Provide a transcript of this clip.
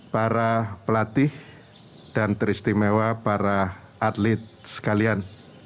para pelatih dan teristimewa para atlet sekalian